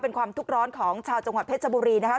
เป็นความทุกข์ร้อนของชาวจังหวัดเพชรบุรีนะครับ